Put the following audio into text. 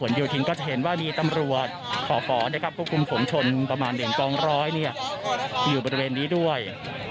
แล้วก็กับกลุ่มกากด้วย